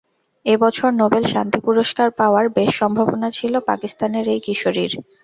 এ বছর নোবেল শান্তি পুরস্কার পাওয়ার বেশ সম্ভাবনা ছিল পাকিস্তানের এই কিশোরীর।